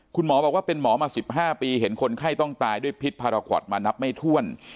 คุณหมอบอกว่าเป็นหมอมา๑๕ปีเห็นคนไข้ต้องตายด้วยพิษพาราคอตมานับไม่ถ้วน